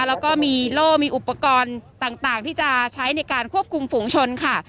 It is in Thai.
แล้วก็มีโล่มีอุปกรณ์ต่างที่จะใช้ในการควบคุมฝูงชนค่ะ